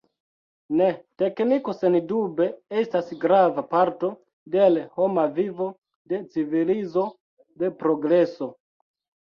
Ne, tekniko sendube estas grava parto de l’ homa vivo, de civilizo, de progreso.